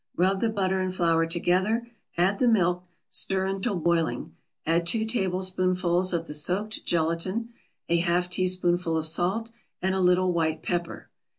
Rub the butter and flour together, add the milk, stir until boiling, add two tablespoonfuls of the soaked gelatin, a half teaspoonful of salt and a little white pepper.